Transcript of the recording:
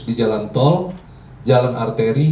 di jalan tol jalan arteri